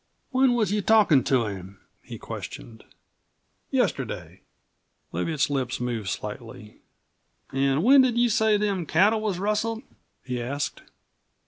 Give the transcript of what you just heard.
"When was you talkin' to him?" he questioned. "Yesterday." Leviatt's lips moved slightly. "An' when did you say them cattle was rustled?" he asked.